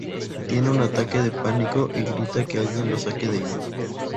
Tiene un ataque de pánico y grita para que alguien lo saque de allí.